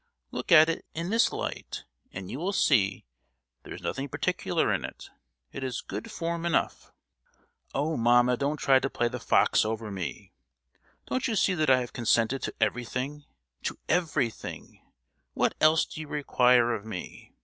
Look at it in this light, and you will see there is nothing particular in it; it is good 'form' enough!" "Oh, mamma, don't try to play the fox over me! Don't you see that I have consented to everything—to everything? What else do you require of me?